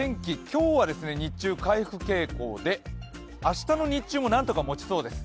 今日は日中、回復傾向で明日の日中もなんとかもちそうです。